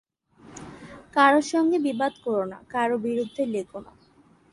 কারও সঙ্গে বিবাদ করো না, কারও বিরুদ্ধে লেগো না।